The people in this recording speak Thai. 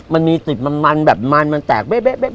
มันมีติดมันแบบมันมันแตกเป๊ะ